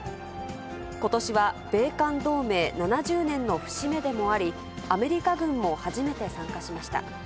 ことしは米韓同盟７０年の節目でもあり、アメリカ軍も初めて参加しました。